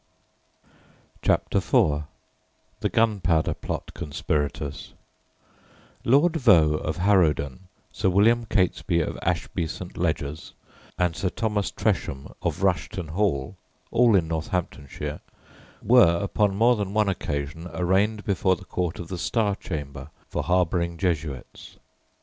CHAPTER IV THE GUNPOWDER PLOT CONSPIRATORS Lord Vaux of Harrowden, Sir William Catesby of Ashby St. Ledgers, and Sir Thomas Tresham of Rushton Hall (all in Northamptonshire) were upon more than one occasion arraigned before the Court of the Star Chamber for harbouring Jesuits.